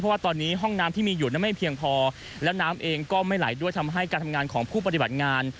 ว่าตอนนี้ห้องน้ำที่มีอยู่นั้นไม่เพียงพอแล้วน้ำเองก็ไม่ไหลด้วยทำให้การทำงานของผู้ปฏิบัติงาน